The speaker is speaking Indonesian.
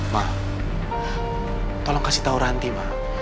ma tolong kasih tahu ranti ma